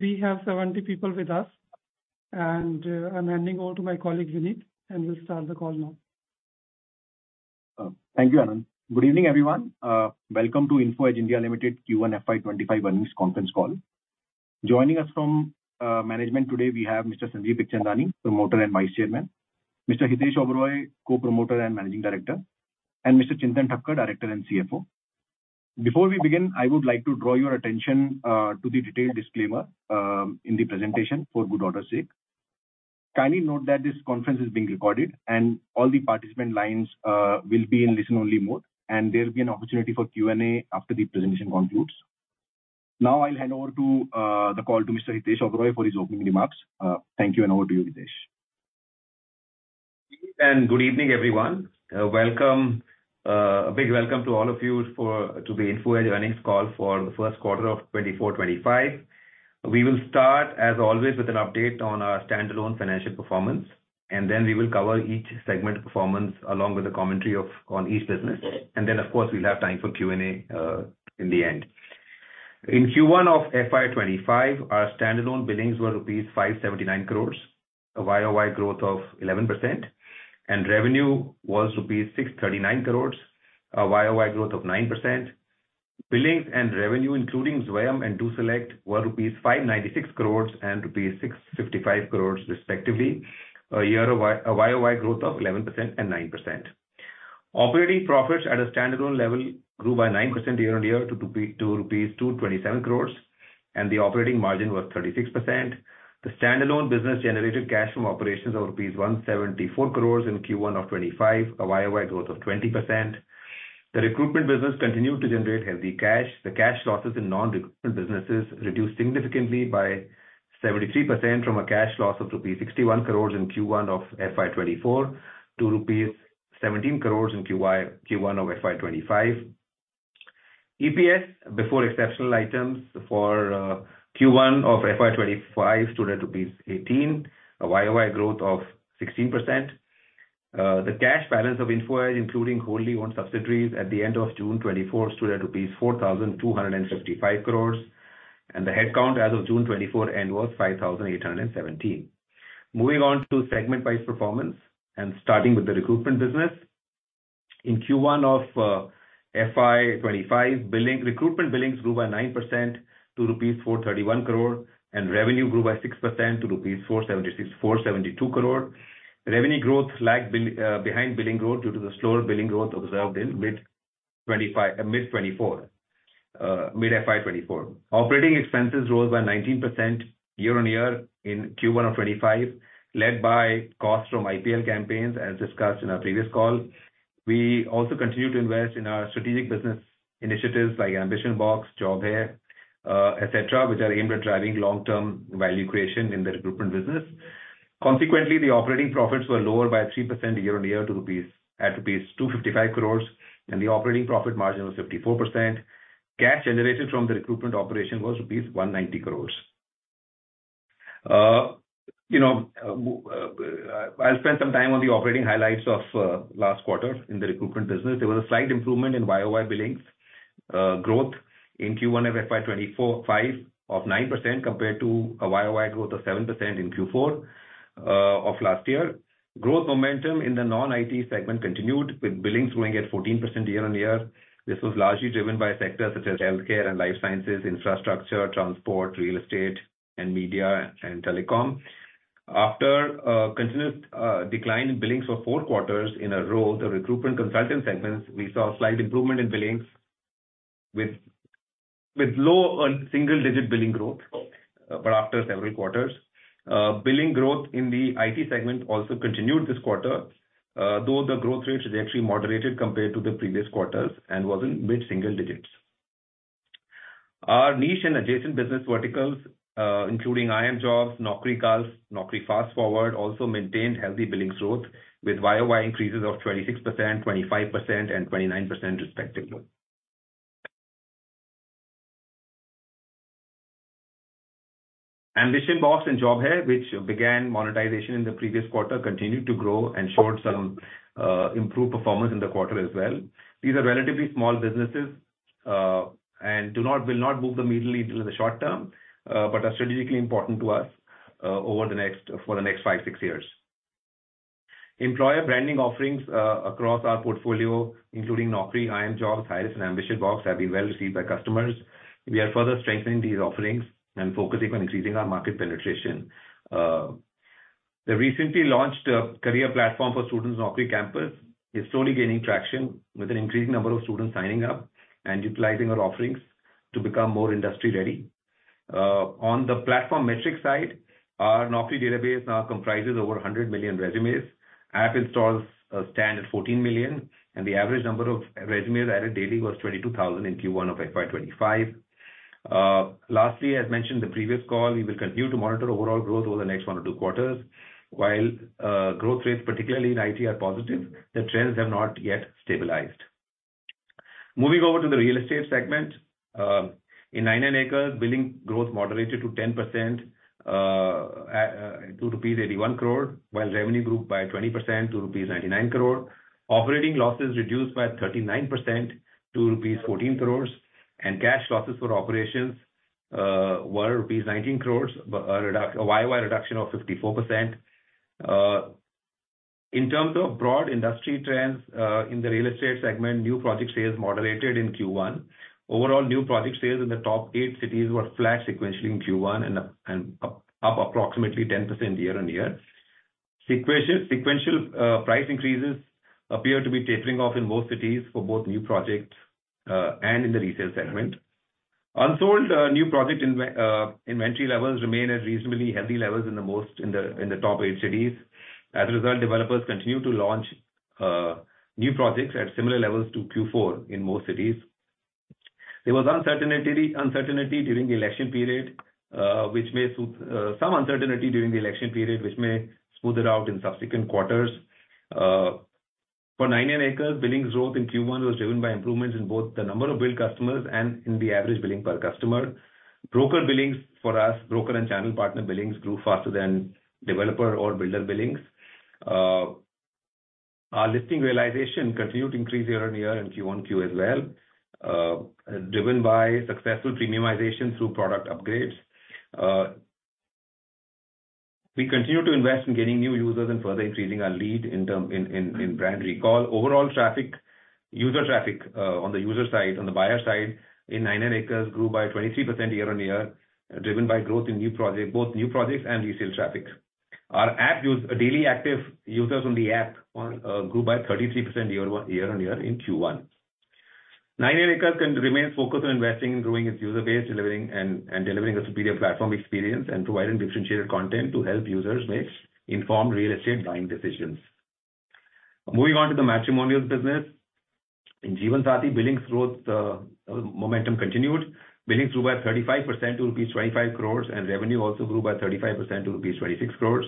We have 70 people with us, and, I'm handing over to my colleague, Vineet, and we'll start the call now. Thank you, Anand. Good evening, everyone. Welcome to Info Edge (India) Limited Q1 FY25 earnings conference call. Joining us from management today we have Mr. Sanjeev Bikhchandani, Promoter and Vice Chairman, Mr. Hitesh Oberoi, Co-Promoter and Managing Director, and Mr. Chintan Thakkar, Director and CFO. Before we begin, I would like to draw your attention to the detailed disclaimer in the presentation for good order's sake. Kindly note that this conference is being recorded, and all the participant lines will be in listen-only mode, and there will be an opportunity for Q&A after the presentation concludes. Now I'll hand over the call to Mr. Hitesh Oberoi for his opening remarks. Thank you, and over to you, Hitesh. Good evening, everyone. Welcome. A big welcome to all of you to the Info Edge earnings call for the First Quarter of 2024/2025. We will start, as always, with an update on our standalone financial performance, and then we will cover each segment performance along with the commentary on each business. And then, of course, we'll have time for Q&A in the end. In Q1 of FY25, our standalone billings were rupees 579 crores, a Y-O-Y growth of 11%, and revenue was rupees 639 crores, a Y-O-Y growth of 9%. Billings and revenue, including Zwayam and DoSelect, were rupees 596 crores and rupees 655 crores respectively, a Y-O-Y growth of 11% and 9%. Operating profits at a standalone level grew by 9% year-on-year to rupees 227 crores, and the operating margin was 36%. The standalone business generated cash from operations of rupees 174 crores in Q1 of 2025, a Y-O-Y growth of 20%. The recruitment business continued to generate healthy cash. The cash losses in non-recruitment businesses reduced significantly by 73% from a cash loss of rupees 61 crores in Q1 of FY 2024 to rupees 17 crores in Q1 of FY 2025. EPS before exceptional items for Q1 of FY 2025 stood at 18, a Y-O-Y growth of 16%. The cash balance of Info Edge, including wholly owned subsidiaries at the end of June 2024, stood at rupees 4,255 crore, and the headcount as of June 2024 end was 5,817. Moving on to segment by performance and starting with the recruitment business. In Q1 of FY25, recruitment billings grew by 9% to rupees 431 crore, and revenue grew by 6% to 472 crore. Revenue growth lagged behind billing growth due to the slower billing growth observed in mid FY 2024. Operating expenses rose by 19% year-on-year in Q1 of 2025, led by costs from IPL campaigns, as discussed in our previous call. We also continued to invest in our strategic business initiatives like AmbitionBox, JobHai, et cetera, which are aimed at driving long-term value creation in the recruitment business. Consequently, the operating profits were lower by 3% year-on-year to rupees, at rupees 255 crores, and the operating profit margin was 54%. Cash generated from the recruitment operation was rupees 190 crores. You know, I'll spend some time on the operating highlights of last quarter in the recruitment business. There was a slight improvement in Y-O-Y billings growth in Q1 of FY 2024-25 of 9% compared to a Y-O-Y growth of 7% in Q4 of last year. Growth momentum in the non-IT segment continued, with billings growing at 14% year-on-year. This was largely driven by sectors such as healthcare and life sciences, infrastructure, transport, real estate, and media and telecom. After a continuous decline in billings for four quarters in a row, the recruitment consulting segments, we saw a slight improvement in billings with low single-digit billing growth, but after several quarters. Billing growth in the IT segment also continued this quarter, though the growth rates actually moderated compared to the previous quarters and was in mid-single digits. Our niche and adjacent business verticals, including iimjobs, Naukri Talks, Naukri FastForward, also maintained healthy billings growth, with Y-O-Y increases of 26%, 25%, and 29% respectively. AmbitionBox and JobHai, which began monetization in the previous quarter, continued to grow and showed some improved performance in the quarter as well. These are relatively small businesses, and will not move the needle in the short term, but are strategically important to us, for the next five, six years. Employer branding offerings, across our portfolio, including Naukri, iimjobs, Hirist and AmbitionBox, have been well received by customers. We are further strengthening these offerings and focusing on increasing our market penetration. The recently launched, career platform for students, Naukri Campus, is slowly gaining traction, with an increasing number of students signing up and utilizing our offerings to become more industry-ready. On the platform metric side, our Naukri database now comprises over 100 million resumes. App installs stand at 14 million, and the average number of resumes added daily was 22,000 in Q1 of FY25. Lastly, as mentioned in the previous call, we will continue to monitor overall growth over the next one or two quarters. While growth rates, particularly in IT, are positive, the trends have not yet stabilized. Moving over to the real estate segment, in 99acres, billing growth moderated to 10%, to rupees 81 crore, while revenue grew by 20% to rupees 99 crore. Operating losses reduced by 39% to rupees 14 crore, and cash losses for operations were rupees 19 crore, a Y-O-Y reduction of 54%. In terms of broad industry trends, in the real estate segment, new project sales moderated in Q1. Overall, new project sales in the top eight cities were flat sequentially in Q1 and up approximately 10% year-over-year. Sequential price increases appear to be tapering off in most cities for both new projects and in the retail segment. Unsold new project inventory levels remain at reasonably healthy levels in the top eight cities. As a result, developers continue to launch new projects at similar levels to Q4 in most cities. There was some uncertainty during the election period, which may smooth out in subsequent quarters. For 99acres, billings growth in Q1 was driven by improvements in both the number of billed customers and in the average billing per customer. Broker and channel partner billings grew faster than developer or builder billings. Our listing realization continued to increase year-on-year in Q1 as well, driven by successful premiumization through product upgrades. We continue to invest in getting new users and further increasing our lead in terms of brand recall. Overall traffic, user traffic, on the user side, on the buyer side, in 99acres grew by 23% year-on-year, driven by growth in new projects-both new projects and resale traffic. Our app usage-daily active users on the app grew by 33% year-on-year in Q1. 99acres continues to remain focused on investing in growing its user base, delivering and delivering a superior platform experience, and providing differentiated content to help users make informed real estate buying decisions. Moving on to the matrimonials business. In Jeevansathi, billings growth momentum continued. Billings grew by 35% to rupees 25 crores, and revenue also grew by 35% to rupees 26 crores.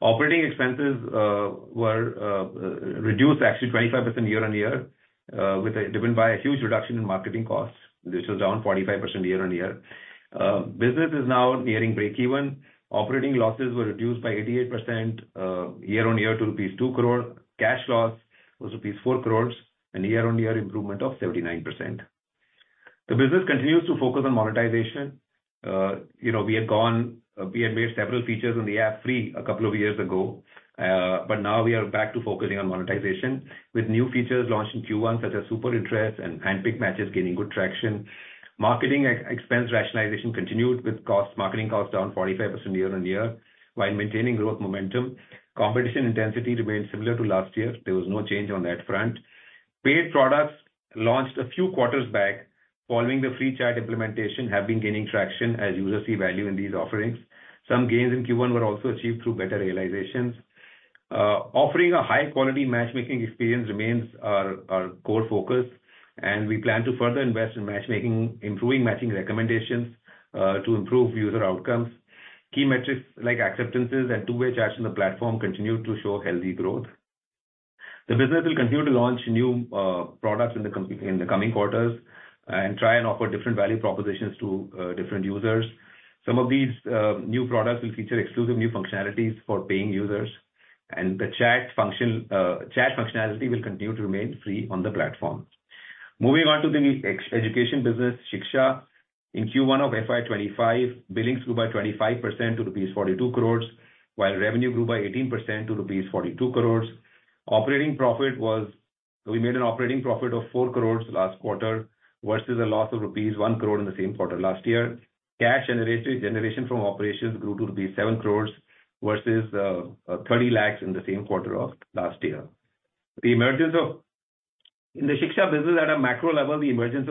Operating expenses were actually reduced 25% year-on-year, driven by a huge reduction in marketing costs. This was down 45% year-on-year. Business is now nearing breakeven. Operating losses were reduced by 88% year-on-year to rupees 2 crore. Cash loss was rupees 4 crores, a year-on-year improvement of 79%. The business continues to focus on monetization. You know, we had made several features on the app free a couple of years ago, but now we are back to focusing on monetization, with new features launched in Q1, such as Super Interest and Handpicked Matches gaining good traction. Marketing expense rationalization continued, with marketing costs down 45% year-on-year, while maintaining growth momentum. Competition intensity remained similar to last year. There was no change on that front. Paid products, launched a few quarters back following the free chat implementation, have been gaining traction as users see value in these offerings. Some gains in Q1 were also achieved through better realizations. Offering a high-quality matchmaking experience remains our core focus, and we plan to further invest in matchmaking, improving matching recommendations, to improve user outcomes. Key metrics, like acceptances and two-way chats on the platform, continue to show healthy growth. The business will continue to launch new products in the coming quarters, and try and offer different value propositions to different users. Some of these new products will feature exclusive new functionalities for paying users, and the chat function, chat functionality will continue to remain free on the platform. Moving on to the education business, Shiksha. In Q1 of FY25, billings grew by 25% to rupees 42 crores, while revenue grew by 18% to rupees 42 crores. Operating profit was we made an operating profit of 4 crores last quarter, versus a loss of rupees 1 crore in the same quarter last year. Cash generation from operations grew to rupees 7 crores, versus thirty lakhs in the same quarter of last year. The emergence of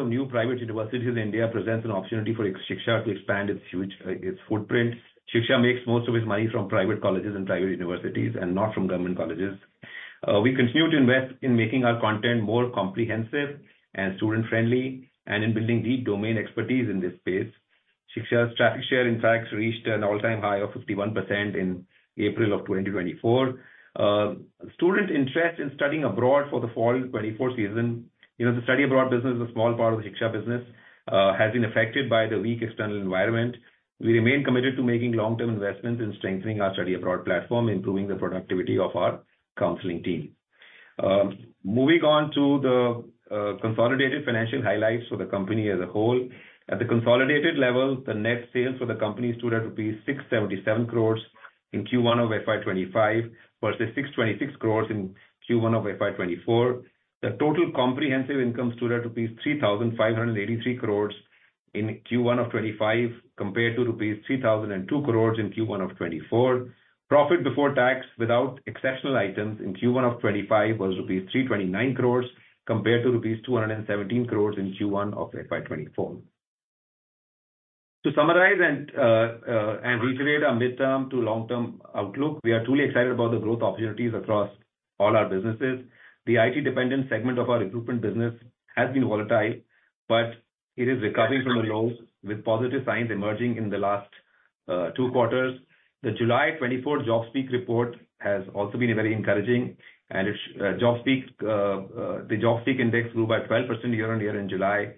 new private universities in India presents an opportunity for Shiksha to expand its huge its footprint. Shiksha makes most of its money from private colleges and private universities and not from government colleges. We continue to invest in making our content more comprehensive and student-friendly, and in building deep domain expertise in this space. Shiksha's traffic share, in fact, reached an all-time high of 51% in April 2024. Student interest in studying abroad for the fall 2024 season, you know, the study abroad business is a small part of the Shiksha business, has been affected by the weak external environment. We remain committed to making long-term investments in strengthening our study abroad platform, improving the productivity of our counseling team. Moving on to the consolidated financial highlights for the company as a whole. At the consolidated level, the net sales for the company stood at rupees 677 crores in Q1 of FY25, versus 626 crores in Q1 of FY24. The total comprehensive income stood at rupees 3,583 crores in Q1 of 2025, compared to rupees 3,002 crores in Q1 of 2024. Profit before tax, without exceptional items in Q1 of 2025, was rupees 329 crore, compared to rupees 217 crore in Q1 of FY 2024. To summarize and and reiterate our midterm to long-term outlook, we are truly excited about the growth opportunities across all our businesses. The IT-dependent segment of our recruitment business has been volatile, but it is recovering from the lows, with positive signs emerging in the last two quarters. The July 2024 JobSpeak report has also been very encouraging, and it's JobSpeak, the JobSpeak Index grew by 12% year-on-year in July,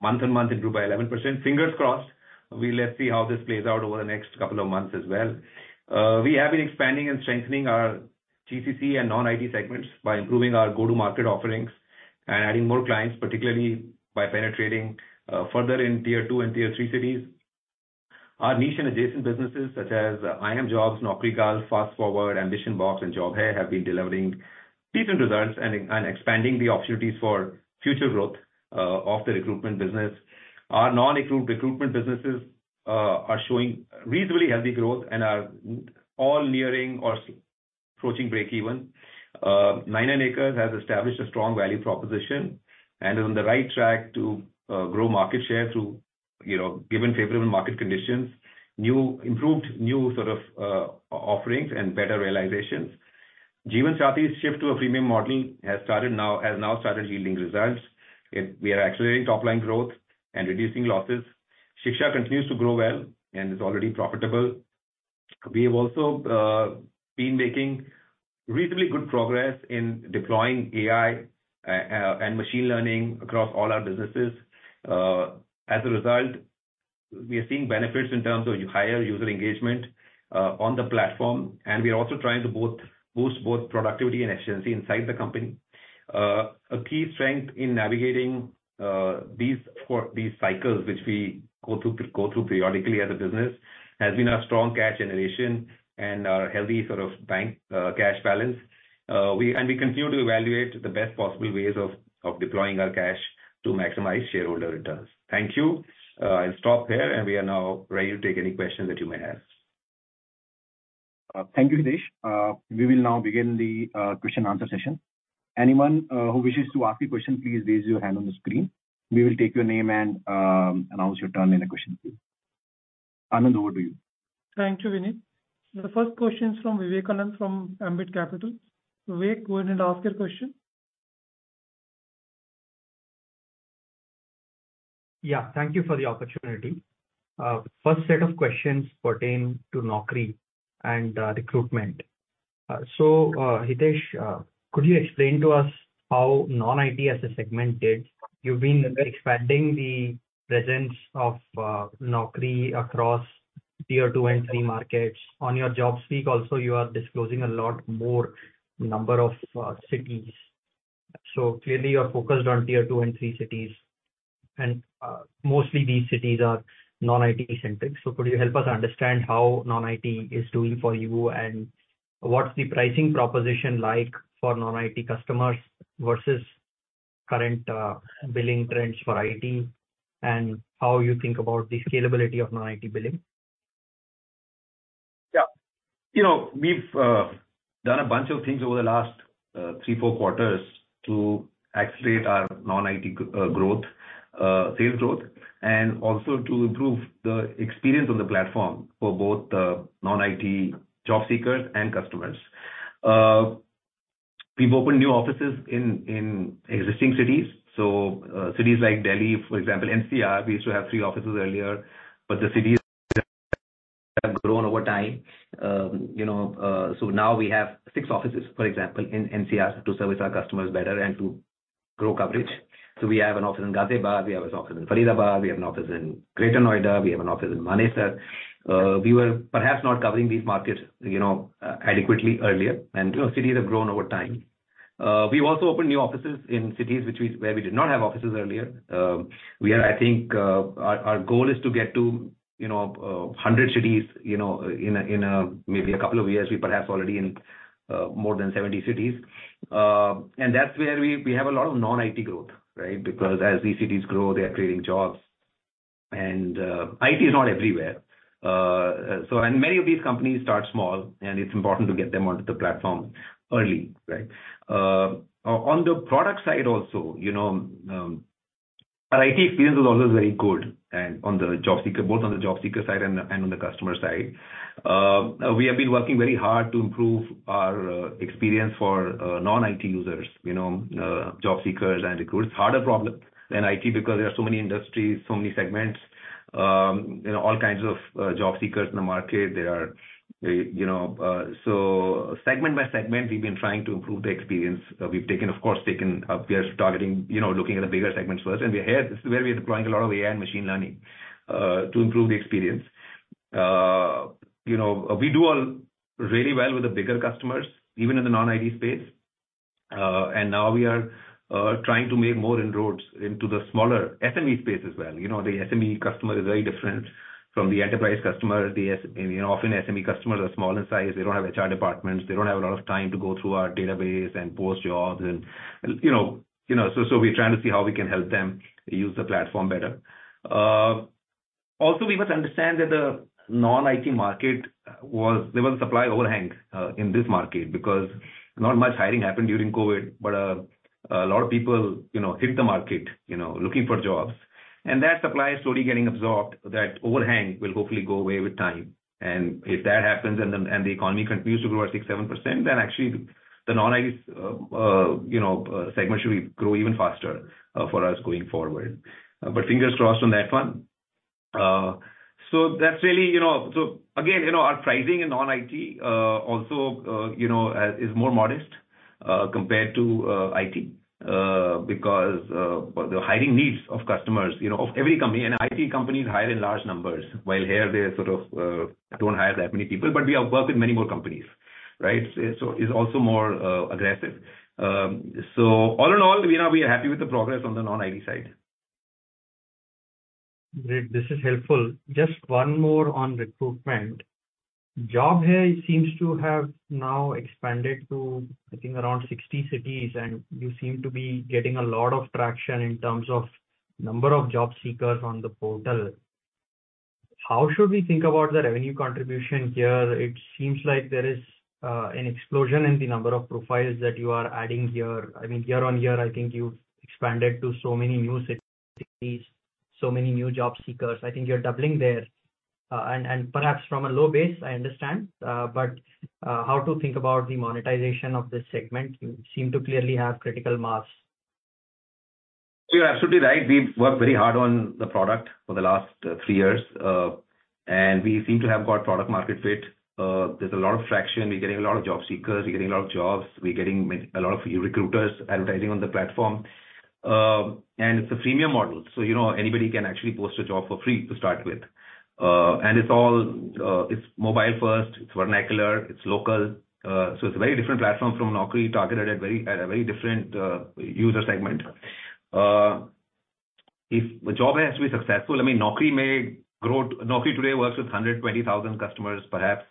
and month-on-month, it grew by 11%. Fingers crossed. Let's see how this plays out over the next couple of months as well. We have been expanding and strengthening our-... GCC and non-IT segments by improving our go-to-market offerings and adding more clients, particularly by penetrating further in tier two and tier three cities. Our niche and adjacent businesses, such as iimjobs, NaukriGulf, FastForward, AmbitionBox, and JobHai, have been delivering decent results and expanding the opportunities for future growth of the recruitment business. Our non-recruit recruitment businesses are showing reasonably healthy growth and are all nearing or approaching breakeven. 99acres has established a strong value proposition and is on the right track to grow market share through, you know, given favorable market conditions, improved new sort of offerings and better realizations. Jeevansathi's shift to a premium model has now started yielding results. We are accelerating top line growth and reducing losses. Shiksha continues to grow well and is already profitable. We have also been making reasonably good progress in deploying AI and machine learning across all our businesses. As a result, we are seeing benefits in terms of higher user engagement on the platform, and we are also trying to both boost both productivity and efficiency inside the company. A key strength in navigating these these cycles, which we go through, go through periodically as a business, has been our strong cash generation and our healthy sort of bank cash balance. And we continue to evaluate the best possible ways of deploying our cash to maximize shareholder returns. Thank you. I'll stop there, and we are now ready to take any questions that you may have. Thank you, Hitesh. We will now begin the question/answer session. Anyone who wishes to ask a question, please raise your hand on the screen. We will take your name and announce your turn in the question queue. Anand, over to you. Thank you, Vineet. The first question is from Vivek Anand, from Ambit Capital. Vivek, go ahead and ask your question. Yeah, thank you for the opportunity. First set of questions pertain to Naukri and recruitment. So, Hitesh, could you explain to us how non-IT as a segment did? You've been expanding the presence of Naukri across tier two and three markets. On your JobSpeak, also you are disclosing a lot more number of cities. So clearly you are focused on tier two and three cities, and mostly these cities are non-IT centric. So could you help us understand how non-IT is doing for you, and what's the pricing proposition like for non-IT customers versus current billing trends for IT, and how you think about the scalability of non-IT billing? Yeah. You know, we've done a bunch of things over the last three, four quarters to accelerate our non-IT growth, sales growth, and also to improve the experience on the platform for both the non-IT job seekers and customers. We've opened new offices in existing cities. So, cities like Delhi, for example, NCR, we used to have three offices earlier, but the cities have grown over time. You know, so now we have six offices, for example, in NCR, to service our customers better and to grow coverage. So we have an office in Ghaziabad, we have an office in Faridabad, we have an office in Greater Noida, we have an office in Manesar. We were perhaps not covering these markets, you know, adequately earlier, and, you know, cities have grown over time. We've also opened new offices in cities where we did not have offices earlier. We are... I think, our goal is to get to, you know, 100 cities, you know, in maybe a couple of years. We're perhaps already in more than 70 cities. And that's where we have a lot of non-IT growth, right? Because as these cities grow, they are creating jobs, and IT is not everywhere. So, and many of these companies start small, and it's important to get them onto the platform early, right? On the product side also, you know, our IT experience is always very good and on the job seeker, both on the job seeker side and on the customer side. We have been working very hard to improve our experience for non-IT users, you know, job seekers and recruiters. It's harder problem than IT, because there are so many industries, so many segments, you know, all kinds of job seekers in the market. There are, you know. So segment by segment, we've been trying to improve the experience. We've taken, of course, taken up targeting, you know, looking at the bigger segments first. We are here, this is where we are deploying a lot of AI and machine learning to improve the experience. You know, we do all really well with the bigger customers, even in the non-IT space. Now we are trying to make more inroads into the smaller SME space as well. You know, the SME customer is very different from the enterprise customer. You know, often SME customers are small in size. They don't have HR departments. They don't have a lot of time to go through our database and post jobs and, you know, you know, so, so we're trying to see how we can help them use the platform better. Also, we must understand that the non-IT market was there was supply overhang in this market, because not much hiring happened during COVID, but a lot of people, you know, hit the market, you know, looking for jobs. And that supply is slowly getting absorbed. That overhang will hopefully go away with time. And if that happens, and then, and the economy continues to grow at 6%-7%, then actually the non-IT, you know, segment should grow even faster for us going forward. But fingers crossed on that one. So that's really, you know. So again, you know, our pricing in non-IT also, you know, is more modest, compared to IT, because the hiring needs of customers, you know, of every company and IT companies hire in large numbers, while here they sort of don't hire that many people. But we have worked with many more companies, right? So it's also more aggressive. So all in all, you know, we are happy with the progress on the non-IT side. Great, this is helpful. Just one more on recruitment. JobHai seems to have now expanded to, I think, around 60 cities, and you seem to be getting a lot of traction in terms of number of job seekers on the portal. How should we think about the revenue contribution here? It seems like there is an explosion in the number of profiles that you are adding here. I mean, year-on-year, I think you've expanded to so many new cities, so many new job seekers. I think you're doubling there, and perhaps from a low base, I understand. But how to think about the monetization of this segment? You seem to clearly have critical mass. You're absolutely right. We've worked very hard on the product for the last three years, and we seem to have got product market fit. There's a lot of traction. We're getting a lot of job seekers. We're getting a lot of jobs. We're getting a lot of recruiters advertising on the platform. And it's a freemium model, so, you know, anybody can actually post a job for free to start with. And it's all, it's mobile first, it's vernacular, it's local. So it's a very different platform from Naukri, targeted at a very different user segment. If JobHai has to be successful, I mean, Naukri may grow. Naukri today works with 120,000 customers, perhaps.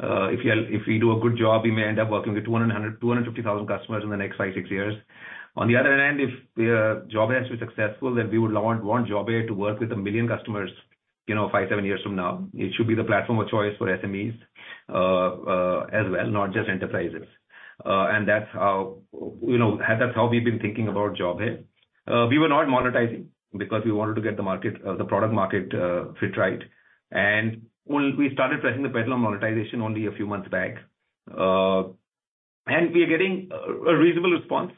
If we do a good job, we may end up working with 200 to 250,000 customers in the next 5-6 years. On the other hand, if JobHai is successful, then we would want JobHai to work with 1 million customers, you know, 5-7 years from now. It should be the platform of choice for SMEs, as well, not just enterprises. And that's how, you know, that's how we've been thinking about JobHai. We were not monetizing because we wanted to get the market, the product market fit right. And when we started pressing the pedal on monetization only a few months back, and we are getting a reasonable response.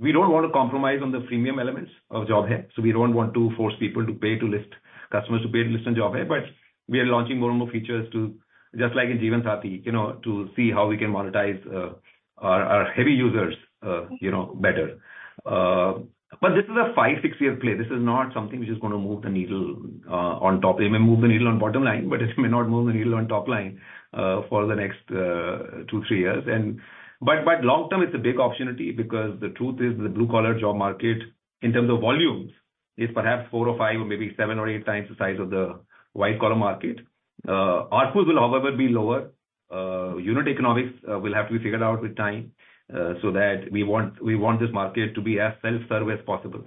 We don't want to compromise on the freemium elements of JobHai, so we don't want to force people to pay to list, customers to pay to list on JobHai. But we are launching more and more features to... Just like in Jeevansathi, you know, to see how we can monetize our heavy users, you know, better. But this is a 5-6 year play. This is not something which is gonna move the needle on top. It may move the needle on bottom line, but it may not move the needle on top line for the next 2-3 years. But long term, it's a big opportunity because the truth is, the blue-collar job market, in terms of volumes, is perhaps four or five or maybe 7 or 8 times the size of the white-collar market. ARPU will however, be lower. Unit economics will have to be figured out with time, so that we want, we want this market to be as self-serve as possible.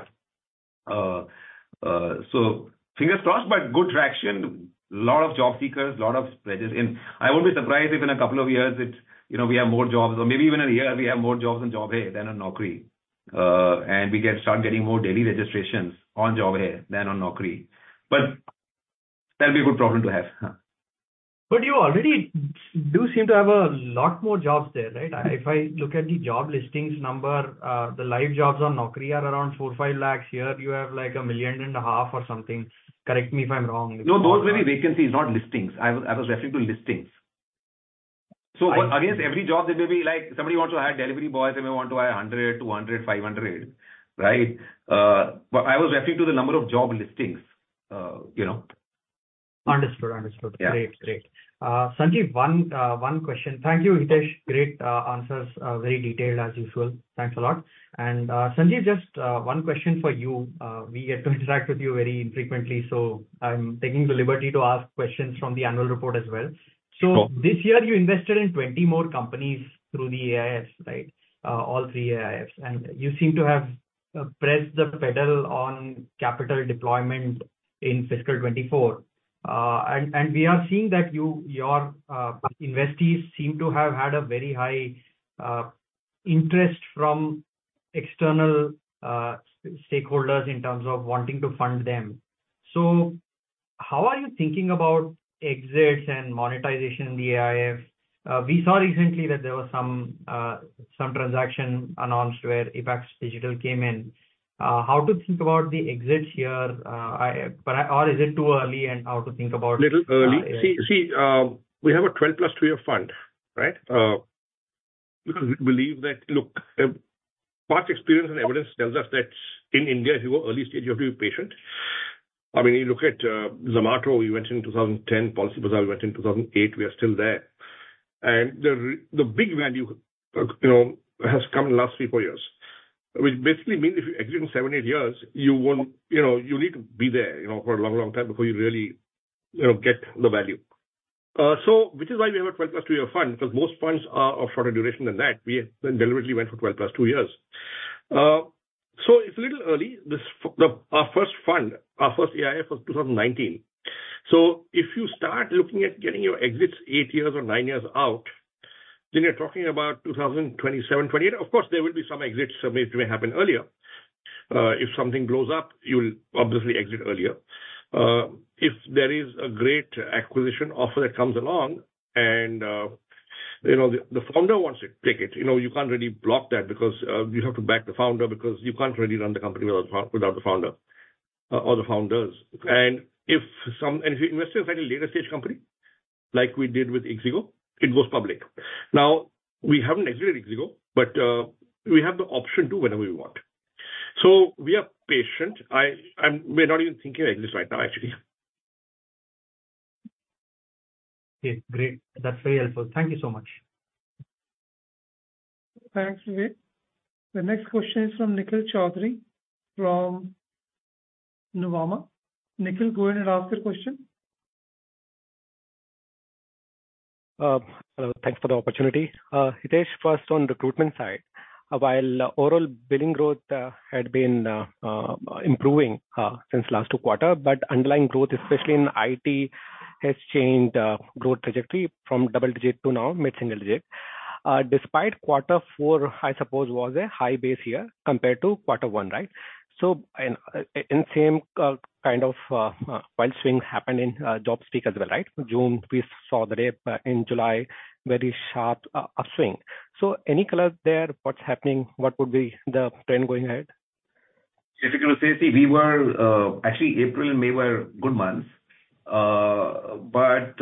So fingers crossed, but good traction. A lot of job seekers, a lot of pledges. And I won't be surprised if in a couple of years, it's, you know, we have more jobs, or maybe even in a year, we have more jobs on JobHai than on Naukri. And we get, start getting more daily registrations on JobHai than on Naukri. But that'll be a good problem to have. But you already do seem to have a lot more jobs there, right? If I look at the job listings number, the live jobs on Naukri are around 4-5 lakhs. Here, you have, like, 1.5 million or something. Correct me if I'm wrong. No, those may be vacancies, not listings. I was, I was referring to listings. So against every job, there may be like, somebody wants to hire delivery boys, they may want to hire 100, 200, 500, right? But I was referring to the number of job listings, you know. Understood, understood. Yeah. Great, great. Sanjeev, one question. Thank you, Hitesh. Great answers. Very detailed as usual. Thanks a lot. And, Sanjeev, just one question for you. We get to interact with you very infrequently, so I'm taking the liberty to ask questions from the annual report as well. Sure. So this year, you invested in 20 more companies through the AIFs, right? All three AIFs. And you seem to have pressed the pedal on capital deployment in fiscal 2024. And we are seeing that your investees seem to have had a very high interest from external stakeholders in terms of wanting to fund them. So how are you thinking about exits and monetization in the AIF? We saw recently that there was some transaction announced where Apax Digital came in. How to think about the exits here? Or is it too early, and how to think about- Little early. See, see, we have a 12+ 2-year fund, right? Because we believe that, look, past experience and evidence tells us that in India, if you are early stage, you have to be patient. I mean, you look at Zomato, we went in 2010, Policybazaar we went in 2008, we are still there. And the big value, you know, has come in the last 3-4 years, which basically means if you exit in 7-8 years, you won't. You know, you need to be there, you know, for a long, long time before you really, you know, get the value. So which is why we have a 12+ 2-year fund, because most funds are of shorter duration than that. We deliberately went for 12+ 2 years. So it's a little early. Our first fund, our first AIF, was 2019. So if you start looking at getting your exits eight years or nine years out, then you're talking about 2027, 2028. Of course, there will be some exits, some which may happen earlier. If something blows up, you'll obviously exit earlier. If there is a great acquisition offer that comes along and, you know, the founder wants to take it, you know, you can't really block that because you have to back the founder because you can't really run the company without the founder. Or the founders. And if we invest in a later stage company, like we did with ixigo, it goes public. Now, we haven't exited ixigo, but we have the option to whenever we want. So we are patient. I'm, we're not even thinking like this right now, actually. Okay, great. That's very helpful. Thank you so much. Thanks, Vivek. The next question is from Nikhil Chaudhary from Nuvama. Nikhil, go ahead and ask your question. Hello. Thanks for the opportunity. Hitesh, first on recruitment side, while overall billing growth had been improving since last two quarter, but underlying growth, especially in IT, has changed growth trajectory from double-digit to now mid-single-digit. Despite Quarter Four, I suppose, was a high base year compared to Quarter One, right? So and in same kind of wild swing happened in job seek as well, right? June, we saw the dip in July, very sharp upswing. So any color there, what's happening? What would be the trend going ahead? If you can say, see, we were. Actually, April and May were good months. But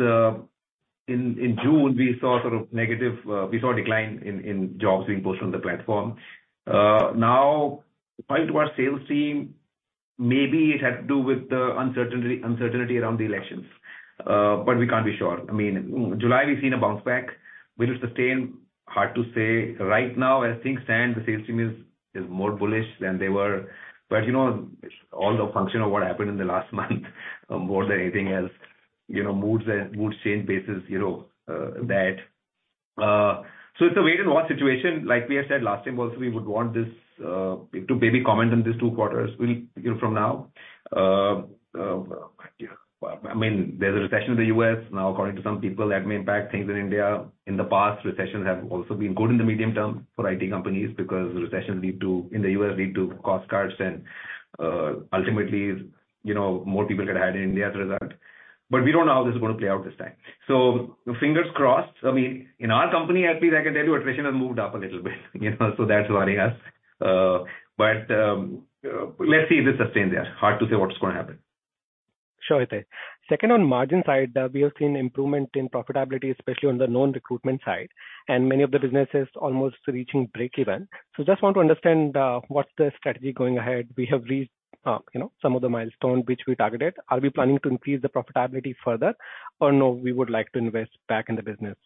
in June, we saw sort of negative, we saw a decline in jobs being posted on the platform. Now, prior to our sales team, maybe it had to do with the uncertainty around the elections, but we can't be sure. I mean, July, we've seen a bounce back. Will it sustain? Hard to say. Right now, as things stand, the sales team is more bullish than they were. But you know, all the function of what happened in the last month, more than anything else, you know, moods and moods change basis, you know, that. So it's a wait-and-watch situation. Like we have said last time also, we would want this to maybe comment on these two quarters will, you know, from now. I mean, there's a recession in the U.S. now, according to some people, that may impact things in India. In the past, recessions have also been good in the medium term for IT companies, because recessions lead to in the U.S., lead to cost cuts, and ultimately, you know, more people get hired in India as a result. But we don't know how this is gonna play out this time. So fingers crossed. I mean, in our company, at least, I can tell you attrition has moved up a little bit, you know, so that's worrying us. But let's see if it sustains there. Hard to say what's gonna happen. Sure, Hitesh. Second, on margin side, we have seen improvement in profitability, especially on the non-recruitment side, and many of the businesses almost reaching breakeven. So just want to understand, what's the strategy going ahead. We have reached, you know, some of the milestones which we targeted. Are we planning to increase the profitability further, or no, we would like to invest back in the business?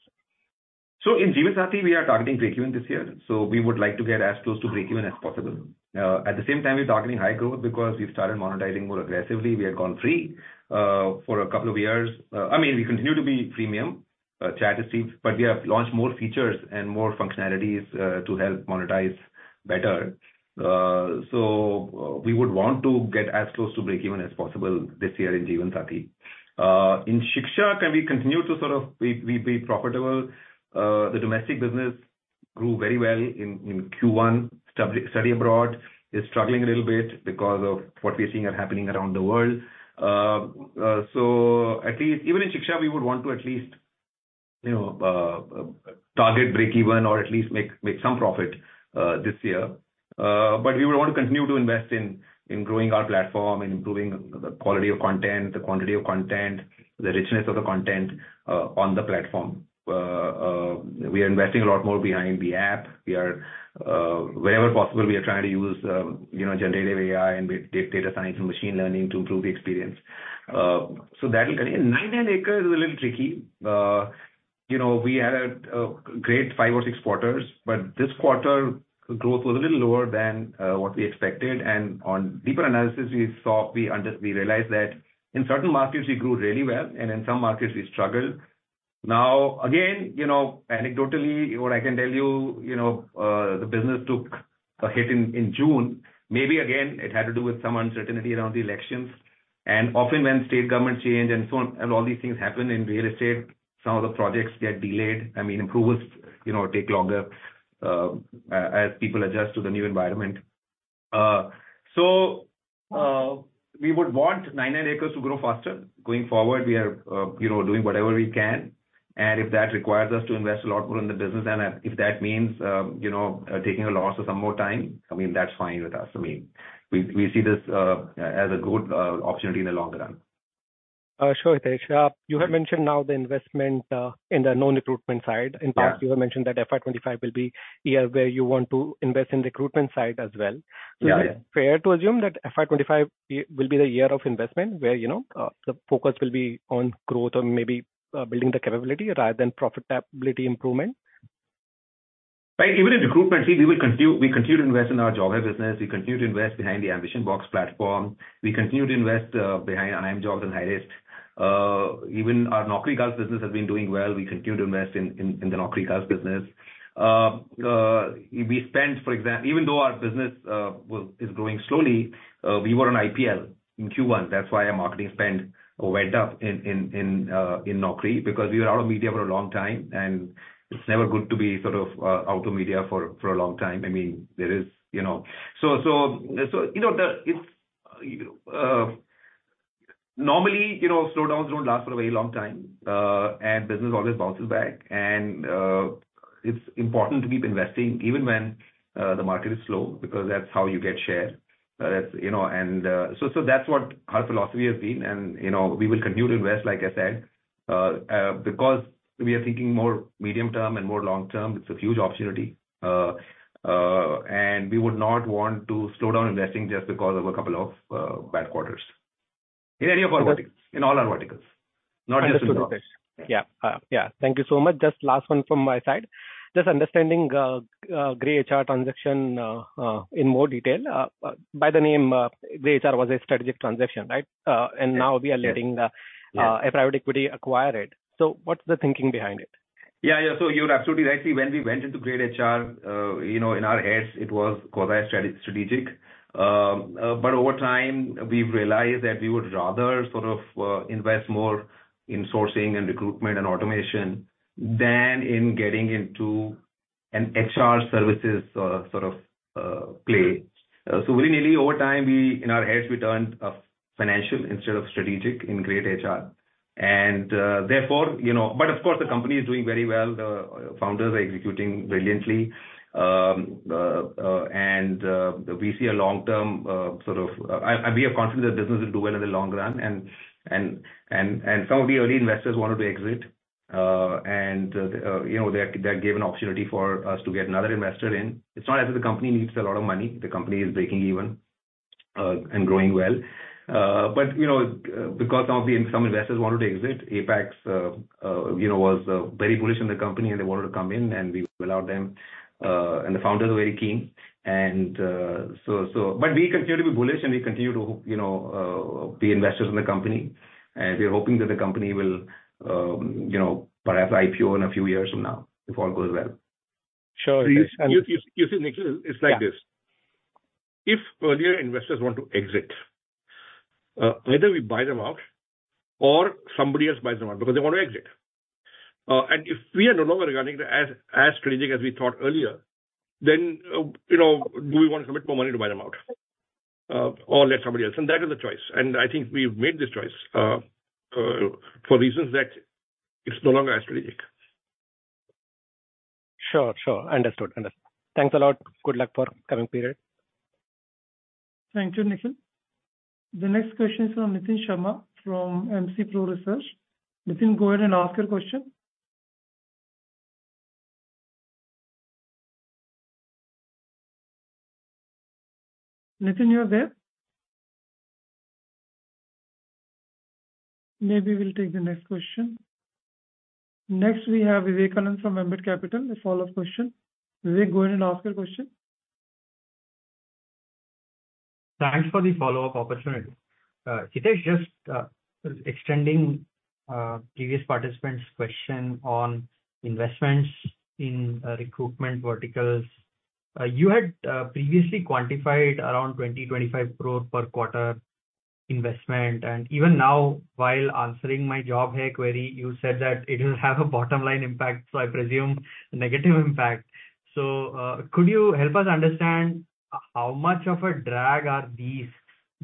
So in Jeevansathi, we are targeting breakeven this year, so we would like to get as close to breakeven as possible. At the same time, we're targeting high growth because we've started monetizing more aggressively. We had gone free for a couple of years. I mean, we continue to be premium, chat is free, but we have launched more features and more functionalities to help monetize better. So we would want to get as close to breakeven as possible this year in Jeevansathi. In Shiksha, can we continue to sort of be profitable? The domestic business grew very well in Q1. Such study abroad is struggling a little bit because of what we are seeing are happening around the world. So at least even in Shiksha, we would want to at least, you know, target breakeven or at least make, make some profit this year. But we would want to continue to invest in in growing our platform and improving the, the quality of content, the quantity of content, the richness of the content on the platform. We are investing a lot more behind the app. We are wherever possible, we are trying to use you know, generative AI and with data science and machine learning to improve the experience. So that will continue. 99acres is a little tricky. You know, we had a, a great five or six quarters, but this quarter growth was a little lower than what we expected. On deeper analysis, we saw, we realized that in certain markets, we grew really well, and in some markets, we struggled. Now, again, you know, anecdotally, what I can tell you, you know, the business took a hit in, in June. Maybe again, it had to do with some uncertainty around the elections. And often when state government change and so on, and all these things happen in real estate, some of the projects get delayed. I mean, approvals, you know, take longer, as people adjust to the new environment. So, we would want 99acres to grow faster. Going forward, we are, you know, doing whatever we can, and if that requires us to invest a lot more in the business, and if that means, you know, taking a loss or some more time, I mean, that's fine with us. I mean, we see this as a good opportunity in the long run. Sure, Hitesh. You had mentioned now the investment in the non-recruitment side. Yeah. In fact, you had mentioned that FY25 will be year where you want to invest in recruitment side as well. Yeah, yeah. So is it fair to assume that FY25 will be the year of investment, where, you know, the focus will be on growth or maybe, building the capability rather than profitability improvement? Right. Even in recruitment, see, we will continue, we continue to invest in our JobHai business. We continue to invest behind the AmbitionBox platform. We continue to invest behind iimjobs and Hirist. Even our NaukriGulf business has been doing well. We continue to invest in the NaukriGulf business. We spent even though our business is growing slowly, we were on IPL in Q1. That's why our marketing spend went up in Naukri, because we were out of media for a long time, and it's never good to be sort of out of media for a long time. I mean, there is, you know. So, you know, it's normally, you know, slowdowns don't last for a very long time, and business always bounces back. It's important to keep investing even when the market is slow, because that's how you get share. That's, you know, and, so, so that's what our philosophy has been. And, you know, we will continue to invest, like I said, because we are thinking more medium-term and more long-term. It's a huge opportunity. And we would not want to slow down investing just because of a couple of bad quarters. In any of our verticals. In all our verticals, not just- Understood, Hitesh. Yeah. Yeah, thank you so much. Just last one from my side. Just understanding greytHR transaction in more detail. By the name, greytHR was a strategic transaction, right? And now we are letting, Yeah. A private equity acquire it. So what's the thinking behind it? Yeah, yeah. So you're absolutely right. See, when we went into greytHR, you know, in our heads, it was quasi strategic. But over time, we've realized that we would rather sort of invest more in sourcing and recruitment and automation than in getting into an HR services sort of play. So really, over time, we, in our heads, we turned financial instead of strategic in greytHR. And therefore, you know... But of course, the company is doing very well. The founders are executing brilliantly. And we see a long-term sort of... And we are confident the business will do well in the long run. Some of the early investors wanted to exit, and you know, that gave an opportunity for us to get another investor in. It's not as if the company needs a lot of money. The company is breaking even and growing well. But you know, because some investors wanted to exit, Apax you know was very bullish on the company and they wanted to come in and we allowed them. And the founders were very keen. But we continue to be bullish, and we continue to you know be investors in the company. And we're hoping that the company will you know perhaps IPO in a few years from now, if all goes well. Sure. You see, Nikhil, it's like this. Yeah. If earlier investors want to exit, either we buy them out or somebody else buys them out, because they want to exit. And if we are no longer regarding it as strategic as we thought earlier, then, you know, do we want to commit more money to buy them out, or let somebody else? And that is the choice, and I think we've made this choice for reasons that it's no longer as strategic. Sure, sure. Understood, understood. Thanks a lot. Good luck for coming period. Thank you, Nikhil. The next question is from Nitin Sharma, from MC Pro. Nitin, go ahead and ask your question. Nitin, you're there? Maybe we'll take the next question. Next, we have Vivek Anand from Ambit Capital, a follow-up question. Vivek, go ahead and ask your question. Thanks for the follow-up opportunity. Hitesh, just extending previous participant's question on investments in recruitment verticals. You had previously quantified around 20-25 crore per quarter investment, and even now, while answering my JobHai query, you said that it will have a bottom line impact, so I presume negative impact. So could you help us understand how much of a drag are these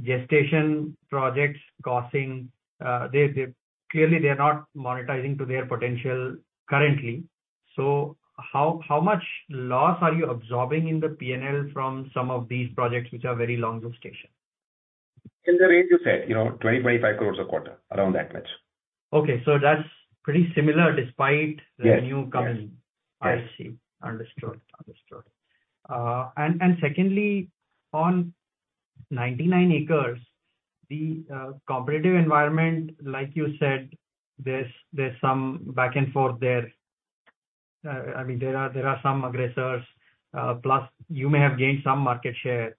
gestation projects causing? They clearly are not monetizing to their potential currently. So how much loss are you absorbing in the PNL from some of these projects, which are very long gestation? In the range you said, you know, 20-25 crore a quarter, around that much. Okay. So that's pretty similar, despite- Yes. The new coming. Yes. I see. Understood, understood. And secondly, on 99acres, the competitive environment, like you said, there's some back and forth there. I mean, there are some aggressors, plus you may have gained some market share.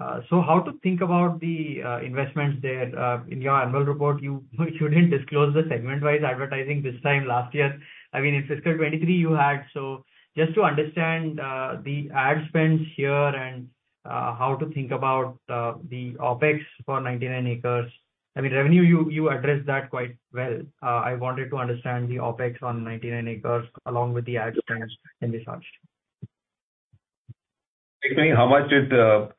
So how to think about the investments there? In your annual report, you didn't disclose the segment-wise advertising this time last year. I mean, in fiscal 2023, you had. So just to understand, the ad spends here and how to think about the OpEx for 99acres. I mean, revenue, you addressed that quite well. I wanted to understand the OpEx on 99acres, along with the ad spends in this launch.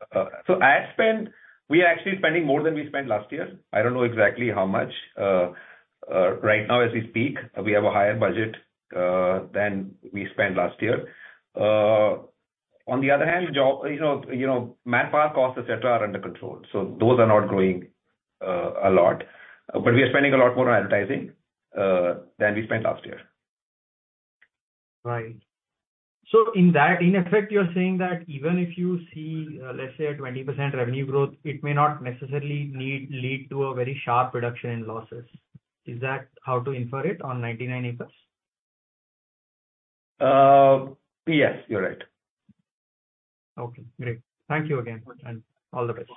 So ad spend, we are actually spending more than we spent last year. I don't know exactly how much. Right now, as we speak, we have a higher budget than we spent last year. On the other hand, job, you know, you know, manpower costs, et cetera, are under control, so those are not growing a lot. But we are spending a lot more on advertising than we spent last year. Right. So in that, in effect, you're saying that even if you see, let's say a 20% revenue growth, it may not necessarily need, lead to a very sharp reduction in losses. Is that how to infer it on 99acres? Yes, you're right. Okay, great. Thank you again, and all the best.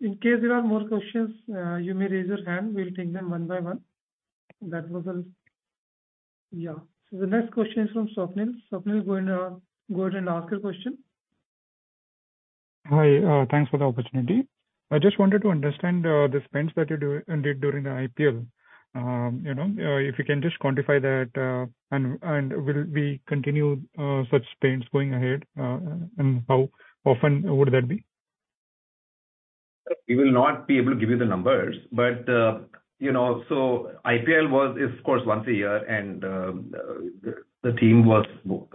In case there are more questions, you may raise your hand, we'll take them one by one. That was all. Yeah. So the next question is from Swapnil. Swapnil, go ahead, go ahead and ask your question. Hi, thanks for the opportunity. I just wanted to understand the spends that you did during the IPL. You know, if you can just quantify that, and will we continue such spends going ahead, and how often would that be? We will not be able to give you the numbers, but, you know, so IPL was, is of course, once a year, and, the team was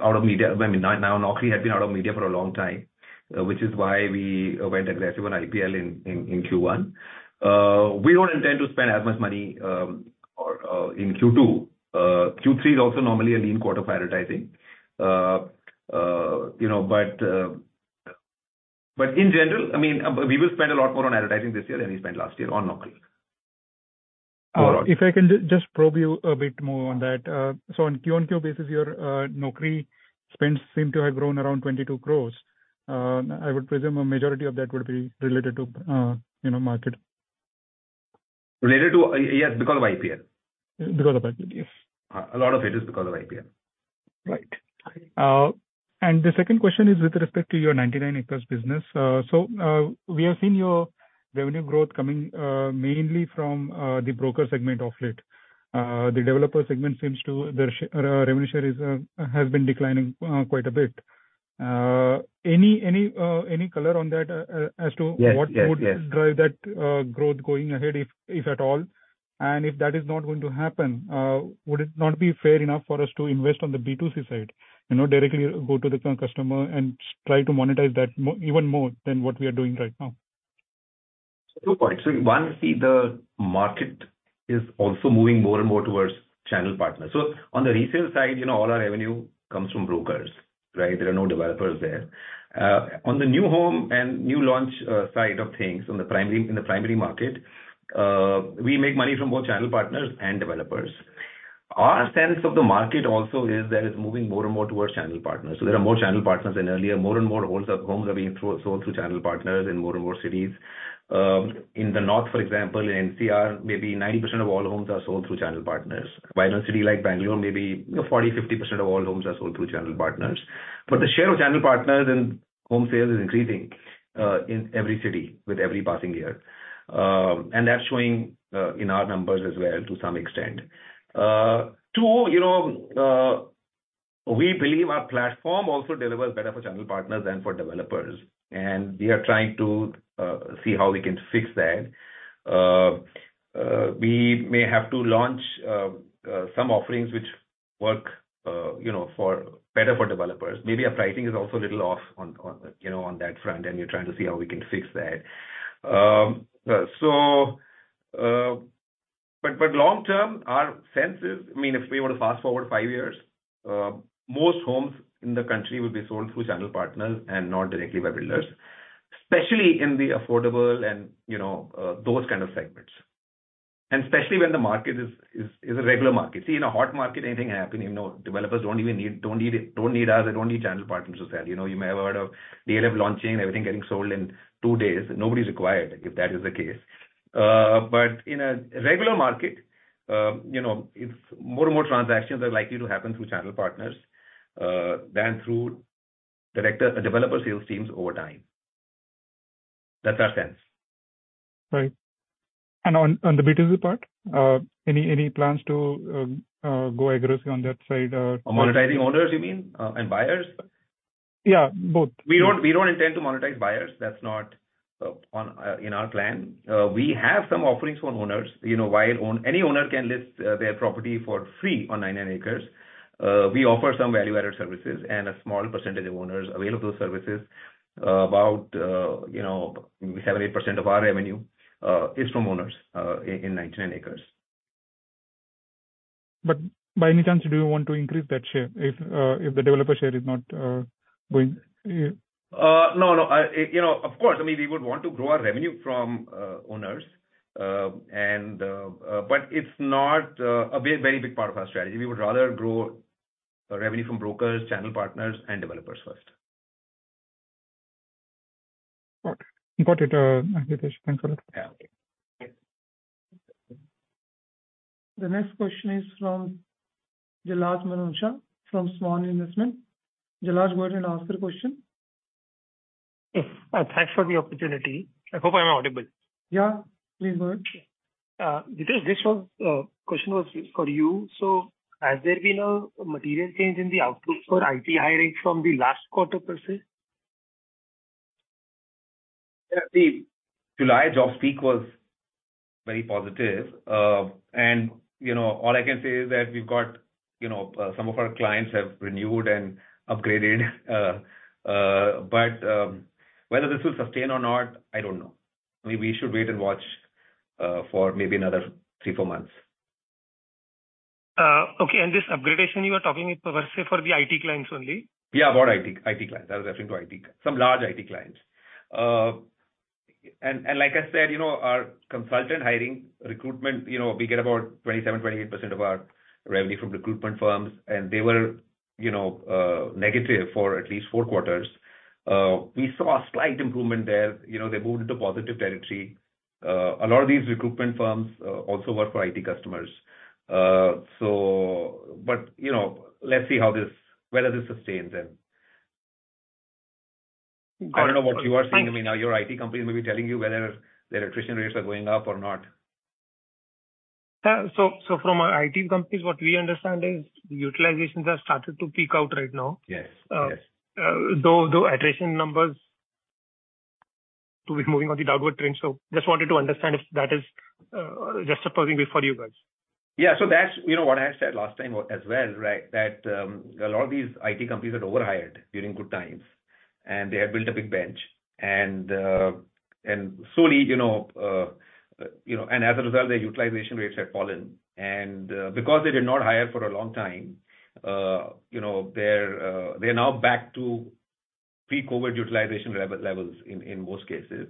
out of media. I mean, now, Naukri had been out of media for a long time, which is why we went aggressive on IPL in Q1. We don't intend to spend as much money, or, in Q2. Q3 is also normally a lean quarter for advertising. You know, but, but in general, I mean, we will spend a lot more on advertising this year than we spent last year on Naukri. If I can just probe you a bit more on that. So on Q&Q basis, your Naukri spends seem to have grown around 22 crore. I would presume a majority of that would be related to, you know, market. Related to. Yes, because of IPL. Because of IPL, yes. A lot of it is because of IPL. Right. And the second question is with respect to your 99acres business. So, we have seen your revenue growth coming mainly from the broker segment of late. The developer segment seems to, the revenue share has been declining quite a bit. Any color on that? Yes, yes, yes. As to what would drive that growth going ahead, if at all? And if that is not going to happen, would it not be fair enough for us to invest on the B2C side? You know, directly go to the customer and try to monetize that even more than what we are doing right now. Two points. One, see, the market is also moving more and more towards channel partners. So on the resale side, you know, all our revenue comes from brokers, right? There are no developers there. On the new home and new launch side of things, on the primary, in the primary market, we make money from both channel partners and developers. Our sense of the market also is that it's moving more and more towards channel partners. So there are more channel partners than earlier. More and more homes are being sold through channel partners in more and more cities. In the north, for example, in NCR, maybe 90% of all homes are sold through channel partners. While a city like Bangalore, maybe 40-50% of all homes are sold through channel partners. But the share of channel partners in home sales is increasing in every city with every passing year. And that's showing in our numbers as well to some extent. Too, you know, we believe our platform also delivers better for channel partners than for developers, and we are trying to see how we can fix that. We may have to launch some offerings which work, you know, for better for developers. Maybe our pricing is also a little off on, you know, on that front, and we're trying to see how we can fix that. But long term, our sense is, I mean, if we were to fast-forward five years, most homes in the country will be sold through channel partners and not directly by builders, especially in the affordable and, you know, those kind of segments. And especially when the market is a regular market. See, in a hot market, anything happen, you know, developers don't even need us, they don't need channel partners to sell. You know, you may have heard of day of launching, everything getting sold in two days. Nobody's required, if that is the case. But in a regular market, you know, it's more and more transactions are likely to happen through channel partners than through direct developer sales teams over time. That's our sense. Right. And on the B2C part, any plans to go aggressively on that side? Monetizing owners, you mean, and buyers? Yeah, both. We don't intend to monetize buyers. That's not on in our plan. We have some offerings for owners. You know, while any owner can list their property for free on 99acres, we offer some value-added services, and a small percentage of owners avail those services. About, you know, 7%-8% of our revenue is from owners in 99acres. By any chance, do you want to increase that share if the developer share is not going? No, no. I, you know, of course, I mean, we would want to grow our revenue from owners. But it's not a very, very big part of our strategy. We would rather grow our revenue from brokers, channel partners, and developers first. Got it. Got it, Hitesh. Thanks a lot. Yeah. Okay. The next question is from Jalaj Manocha, from Svan Investment. Jalaj, go ahead and ask your question. Yes. Thanks for the opportunity. I hope I'm audible. Yeah, please go ahead. Nitin, this one question was for you. So has there been a material change in the outlook for IT hiring from the last quarter per se? Yeah, the July jobs peak was very positive. You know, all I can say is that we've got, you know, some of our clients have renewed and upgraded. But whether this will sustain or not, I don't know. Maybe we should wait and watch for maybe another 3, 4 months. Okay, and this upgradation you are talking is per se for the IT clients only? Yeah, about IT, IT clients. I was referring to IT, some large IT clients. And like I said, you know, our consultant hiring recruitment, you know, we get about 27%-28% of our revenue from recruitment firms, and they were, you know, negative for at least four quarters. We saw a slight improvement there. You know, they moved into positive territory. A lot of these recruitment firms also work for IT customers. So... But, you know, let's see how this, whether this sustains then.... I don't know what you are seeing. I mean, are your IT companies maybe telling you whether the attrition rates are going up or not? So, from our IT companies, what we understand is the utilizations have started to peak out right now. Yes, yes. Though attrition numbers to be moving on the downward trend. So just wanted to understand if that is just supposedly for you guys. Yeah. So that's, you know, what I said last time as well, right? That a lot of these IT companies had overhired during good times, and they had built a big bench. And, and slowly, you know, and as a result, their utilization rates have fallen. And, because they did not hire for a long time, you know, they're, they're now back to pre-COVID utilization levels in, in most cases.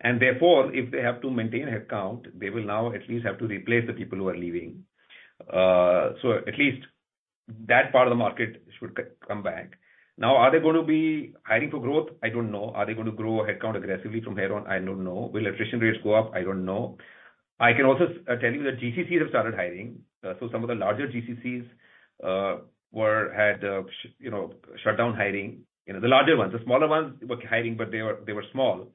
And therefore, if they have to maintain headcount, they will now at least have to replace the people who are leaving. So at least that part of the market should come back. Now, are they going to be hiring for growth? I don't know. Are they going to grow headcount aggressively from here on? I don't know. Will attrition rates go up? I don't know. I can also tell you that GCCs have started hiring. So some of the larger GCCs were had you know shut down hiring, you know, the larger ones. The smaller ones were hiring, but they were, they were small.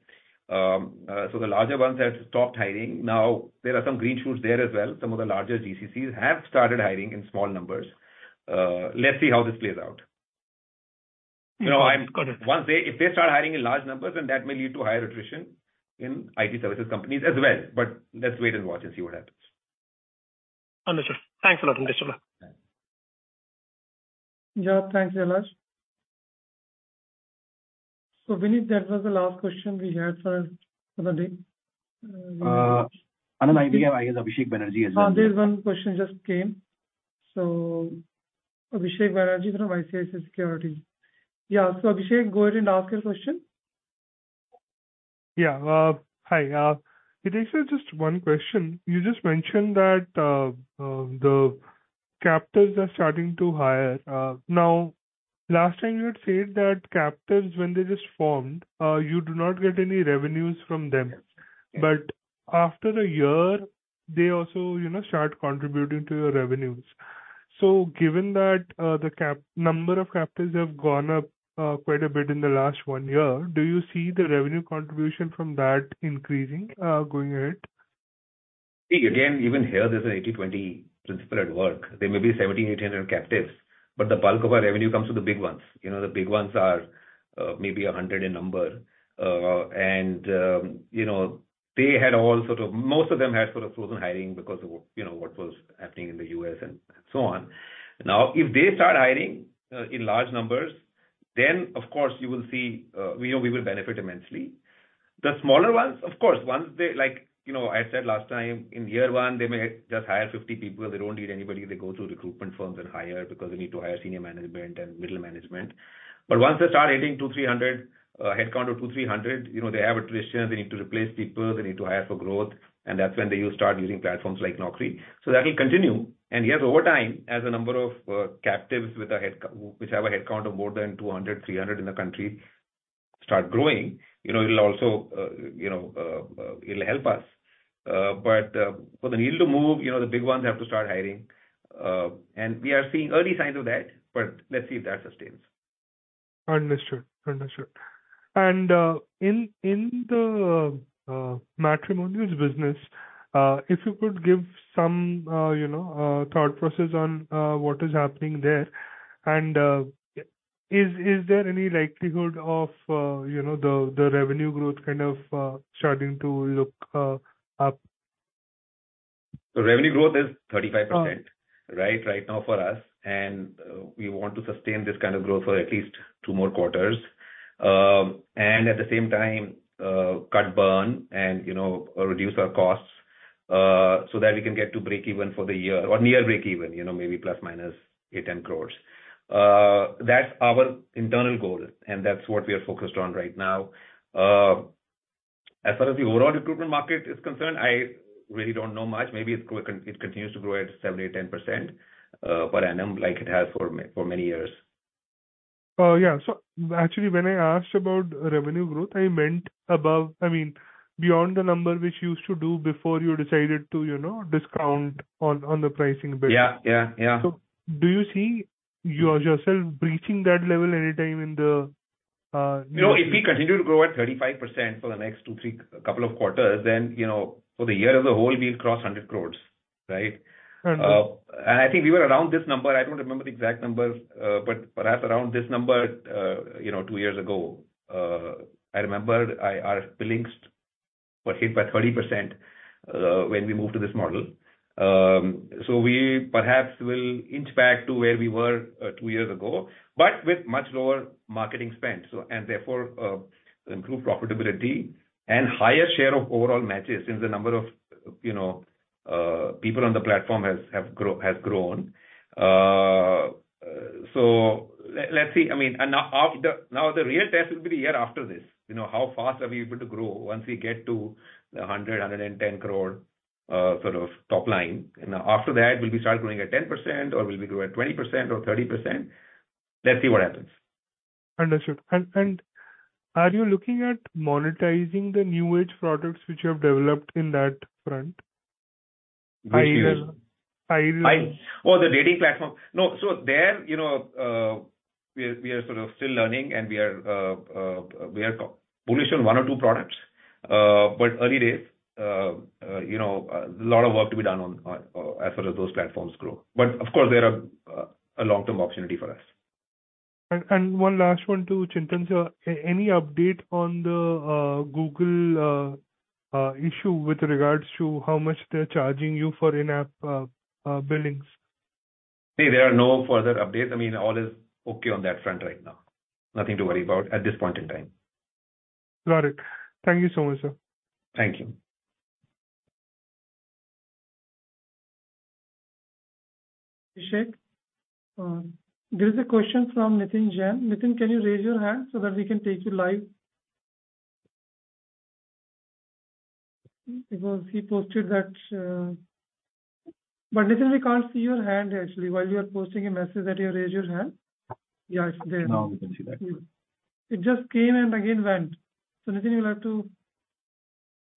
So the larger ones have stopped hiring. Now, there are some green shoots there as well. Some of the larger GCCs have started hiring in small numbers. Let's see how this plays out. Got it. You know, once they, if they start hiring in large numbers, then that may lead to higher attrition in IT services companies as well. But let's wait and watch and see what happens. Understood. Thanks a lot, Hitesh. Yeah, thanks, Jalaj. So Vineet, that was the last question we had for the day. I think I have Abhisek Banerjee as well. There's one question just came. So Abhisek Banerjee from ICICI Securities. Yeah. So Abhisek, go ahead and ask your question. Yeah. Hi. Hitesh, just one question. You just mentioned that the captives are starting to hire. Now, last time you had said that captives, when they just formed, you do not get any revenues from them. But after a year, they also, you know, start contributing to your revenues. So given that, the number of captives have gone up, quite a bit in the last one year, do you see the revenue contribution from that increasing, going ahead? See, again, even here, there's an 80/20 principle at work. There may be 1,700-1,800 captives, but the bulk of our revenue comes from the big ones. You know, the big ones are, maybe 100 in number. And, you know, they had all sort of. Most of them had sort of frozen hiring because of, you know, what was happening in the U.S. and so on. Now, if they start hiring, in large numbers, then of course, you will see, we know we will benefit immensely. The smaller ones, of course, once they like, you know, I said last time, in year one, they may just hire 50 people. They don't need anybody. They go through recruitment firms and hire because they need to hire senior management and middle management. But once they start hitting 200-300 headcount of 200-300, you know, they have attrition, they need to replace people, they need to hire for growth, and that's when they will start using platforms like Naukri. So that will continue. And yes, over time, as the number of captives with a headcount which have a headcount of more than 200-300 in the country start growing, you know, it'll also help us. But for the needle to move, you know, the big ones have to start hiring, and we are seeing early signs of that, but let's see if that sustains. Understood. Understood. And in the matrimonials business, if you could give some you know thought process on what is happening there, and is there any likelihood of you know the revenue growth kind of starting to look up? The revenue growth is 35%. Right, right now for us, and we want to sustain this kind of growth for at least two more quarters. And at the same time, cut burn and, you know, reduce our costs, so that we can get to breakeven for the year or near breakeven, you know, maybe plus/minus 8-10 crore. That's our internal goal, and that's what we are focused on right now. As far as the overall recruitment market is concerned, I really don't know much. Maybe it continues to grow at seven, eight, 10% per annum, like it has for many years. Yeah. So actually, when I asked about revenue growth, I meant above, I mean, beyond the number which you used to do before you decided to, you know, discount on the pricing bit. Yeah, yeah, yeah. So do you see yourself breaching that level anytime in the near? You know, if we continue to grow at 35% for the next two, three, couple of quarters, then, you know, for the year as a whole, we'll cross 100 crore, right? Hundred. I think we were around this number. I don't remember the exact numbers, but perhaps around this number, you know, two years ago. I remember our billings were hit by 30%, when we moved to this model. So we perhaps will inch back to where we were, two years ago, but with much lower marketing spend, so, and therefore, improve profitability and higher share of overall matches, since the number of, you know, people on the platform has grown. So let's see, I mean, and now, of the. Now, the real test will be the year after this. You know, how fast are we able to grow once we get to the 110 crore, sort of top line? After that, will we start growing at 10%, or will we grow at 20% or 30%? Let's see what happens. Understood. And are you looking at monetizing the new age products which you have developed in that front? I, oh, the dating platform. No, so there, you know, we are, we are sort of still learning, and we are, we are bullish on one or two products. But early days, you know, a lot of work to be done on, as sort of those platforms grow. But of course, they are a long-term opportunity for us. And one last one to Chintan, sir. Any update on the Google issue with regards to how much they're charging you for in-app billings? See, there are no further updates. I mean, all is okay on that front right now. Nothing to worry about at this point in time. Got it. Thank you so much, sir. Thank you. Abhisek, there is a question from Nitin Jain. Nitin, can you raise your hand so that we can take you live? Because he posted that. But, Nitin, we can't see your hand actually, while you are posting a message that you raised your hand. Yeah, it's there. Now, we can see that. It just came and again went. So, Nitin, you'll have to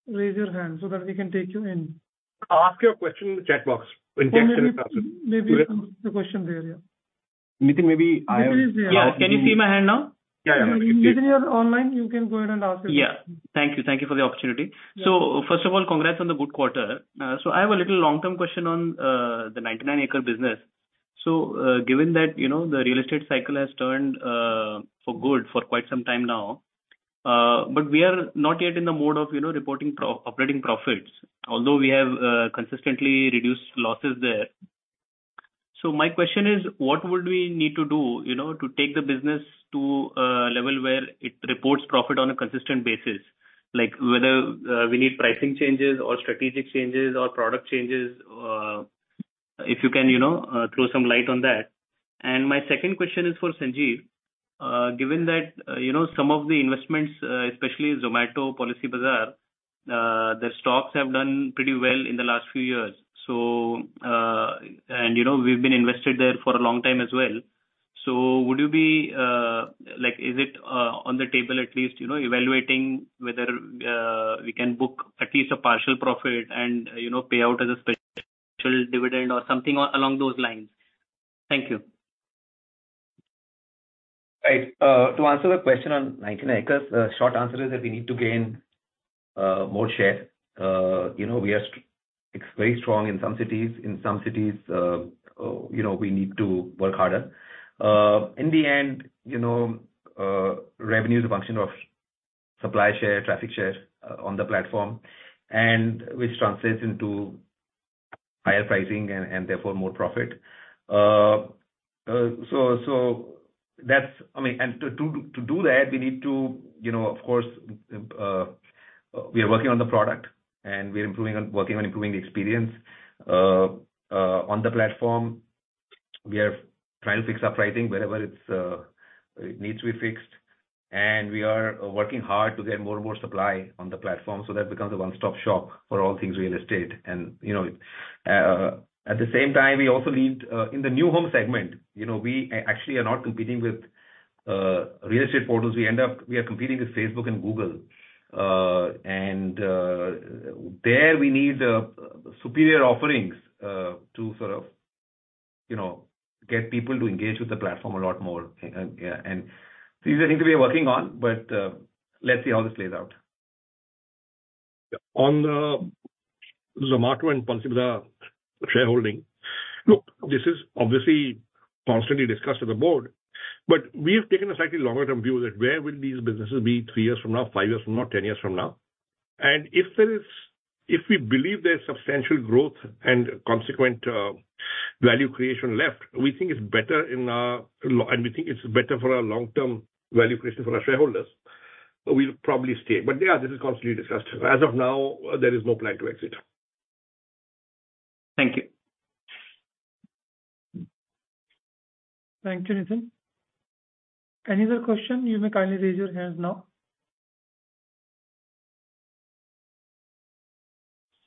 raise your hand so that we can take you in. Ask your question in the chat box, and Chintan will answer. Maybe, maybe the question there, yeah. Nitin, maybe I will. Yeah, can you see my hand now? Yeah, yeah. Nitin, you are online, you can go ahead and ask your question. Yeah. Thank you. Thank you for the opportunity. Yeah. So first of all, congrats on the good quarter. So I have a little long-term question on the 99acres business. So, given that, you know, the real estate cycle has turned for good for quite some time now, but we are not yet in the mode of, you know, reporting positive operating profits, although we have consistently reduced losses there. So my question is: What would we need to do, you know, to take the business to a level where it reports profit on a consistent basis? Like, whether we need pricing changes or strategic changes or product changes, if you can, you know, throw some light on that. And my second question is for Sanjeev. Given that, you know, some of the investments, especially Zomato, Policybazaar, their stocks have done pretty well in the last few years. So, and, you know, we've been invested there for a long time as well. So would you be, like, is it, on the table at least, you know, evaluating whether, we can book at least a partial profit and, you know, pay out as a special dividend or something along those lines? Thank you. Right. To answer the question on 99acres, short answer is that we need to gain more share. You know, we are, it's very strong in some cities, in some cities, you know, we need to work harder. In the end, you know, revenue is a function of supply share, traffic share on the platform, and which translates into higher pricing and therefore more profit. So that's, I mean, and to do that, we need to, you know, of course, we are working on the product, and we are improving on, working on improving the experience. On the platform, we are trying to fix our pricing wherever it's, it needs to be fixed, and we are working hard to get more and more supply on the platform, so that it becomes a one-stop shop for all things real estate. And, you know, at the same time, we also need, in the new home segment, you know, we actually are not competing with real estate portals. We end up, we are competing with Facebook and Google. And there, we need superior offerings to sort of, you know, get people to engage with the platform a lot more. And yeah, and these are things we are working on, but, let's see how this plays out. Yeah. On the Zomato and Policybazaar shareholding, look, this is obviously constantly discussed with the board, but we have taken a slightly longer term view that where will these businesses be three years from now, five years from now, 10 years from now? And if we believe there's substantial growth and consequent value creation left, we think it's better in our long-term and we think it's better for our long-term value creation for our shareholders, we'll probably stay. But, yeah, this is constantly discussed. As of now, there is no plan to exit. Thank you. Thank you, Nitin. Any other question, you may kindly raise your hand now.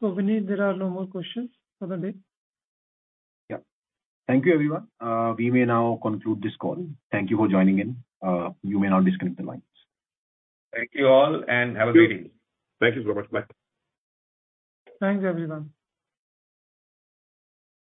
So Vineet, there are no more questions for the day. Yeah. Thank you, everyone. We may now conclude this call. Thank you for joining in. You may now disconnect the lines. Thank you, all, and have a great day. Thank you so much. Bye. Thanks, everyone.